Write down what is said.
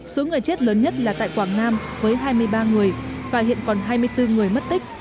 số người chết lớn nhất là tại quảng nam với hai mươi ba người và hiện còn hai mươi bốn người mất tích